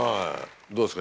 どうですか？